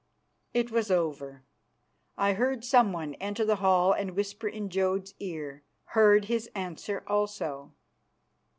It was over. I heard someone enter the hall and whisper in Jodd's ear; heard his answer also.